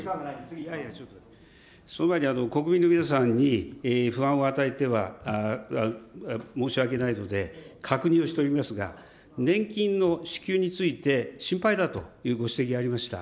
その前に、国民の皆さんに、不安を与えては申し訳ないので、確認をしておりますが、年金の支給について、心配だというご指摘がありました。